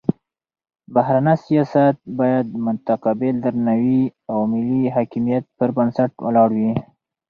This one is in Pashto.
بهرنی سیاست باید د متقابل درناوي او ملي حاکمیت پر بنسټ ولاړ وي.